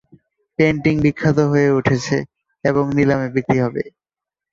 Painting বিখ্যাত হয়ে উঠেছে, এবং নিলামে বিক্রি হবে।